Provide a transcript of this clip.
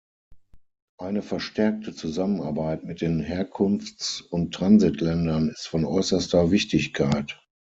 Eine verstärkte Zusammenarbeit mit den Herkunfts- und Transitländern ist von äußerster Wichtigkeit.